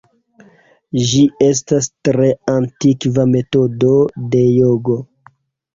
Ĝi estas tre antikva metodo de jogo.